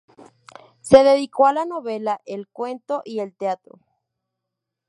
Se dedicó a la novela, el cuento y el teatro.